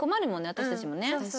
私たちもね。